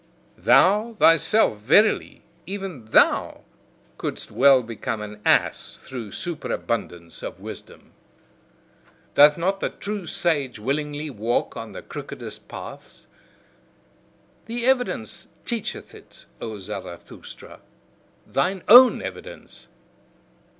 Thou thyself verily! even thou couldst well become an ass through superabundance of wisdom. Doth not the true sage willingly walk on the crookedest paths? The evidence teacheth it, O Zarathustra, THINE OWN evidence!"